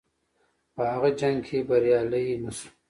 په هغه جنګ کې بریالی نه شو.